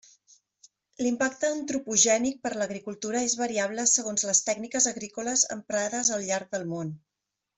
L'impacte antropogènic per l'agricultura és variable segons les tècniques agrícoles emprades al llarg del món.